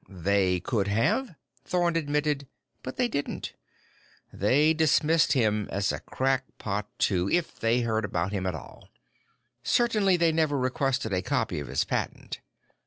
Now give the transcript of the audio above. "They could have," Thorn admitted, "but they didn't. They dismissed him as a crackpot, too, if they heard about him at all. Certainly they never requested a copy of his patent.